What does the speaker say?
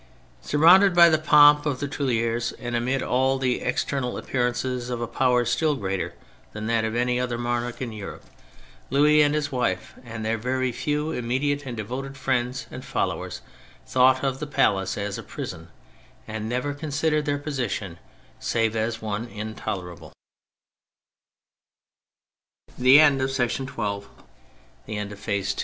Sur rounded by the pomp of the Tuileries and amid all the external appearances of a power still greater than that of anv other monarch 102 THE FRENCH REVOLUTION in Europe, Louis and his wife and their very few immediate and devoted friends and followers thought of the palace as a prison, and never considered their position save as one intolerable, III From October 1789 to J